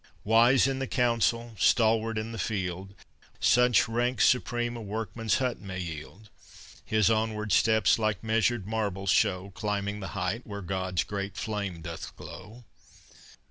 Wise in the council, stalwart in the field! Such rank supreme a workman's hut may yield. His onward steps like measured marbles show, Climbing the height where God's great flame doth glow.